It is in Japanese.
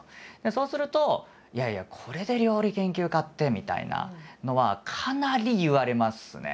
そうすると「いやいやこれで料理研究家って」みたいなのはかなり言われますね。